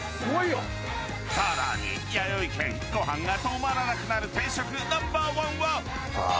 更に、やよい軒ご飯が止まらなくなる定食ナンバー１は？